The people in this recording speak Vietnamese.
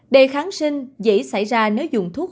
đề kháng sinh dễ xảy ra nếu dùng thuốc